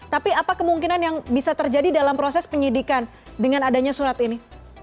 tapi apa kemungkinan yang bisa terjadi dalam proses penyidikan dengan adanya surat ini